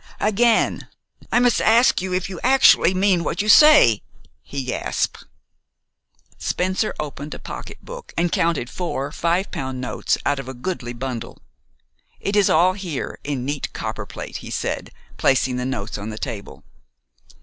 "Again I must ask you if you actually mean what you say?" he gasped. Spencer opened a pocketbook and counted four five pound notes out of a goodly bundle. "It is all here in neat copperplate," he said, placing the notes on the table.